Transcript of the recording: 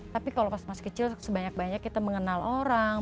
tapi kalau pas masih kecil sebanyak banyak kita mengenal orang